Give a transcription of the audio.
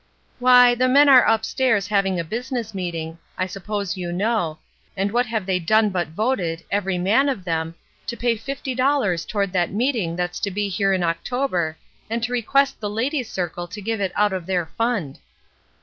''Why, the men are upstairs having a busi ness meeting, I suppose you know, and what have they done but voted, every man of them, to pay fifty dollars toward that meeting that's to be here in October, and to request the Ladies' Circle to give it out of their fund."